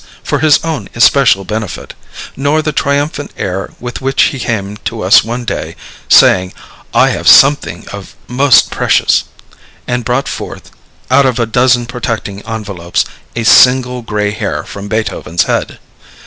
for his own especial benefit, nor the triumphant air with which he came to us one day, saying, "I have something of most precious," and brought forth, out of a dozen protecting envelopes, a single gray hair from Beethoven's head.